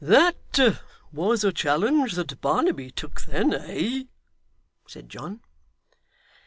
'That was a challenge that Barnaby took then, eh?' said John.